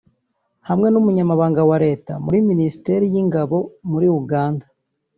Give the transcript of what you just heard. hamwe n’umunyamabanga wa Leta muri Ministeri y’ingabo muri Uganda